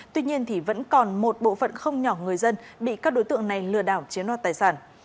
tuy nhiên vẫn còn một bộ phận không nhỏ người dân bị các đối tượng này lừa đảo chiếm đoạt tài sản